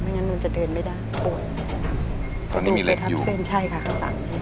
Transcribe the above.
ไม่งั้นมันจะเดินไม่ได้ตัวตอนนี้มีเหล็กอยู่ถ้าสองนี้